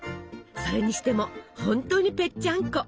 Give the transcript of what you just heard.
それにしてもほんとにぺっちゃんこ。